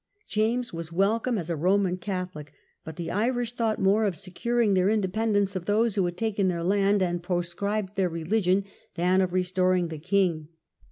James was welcome as a Roman Catholic, but the Irish thought more of securing their independence of those who had taken their land and proscribed their religion, than of restoring the king.